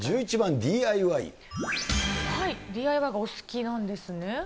ＤＩＹがお好きなんですね。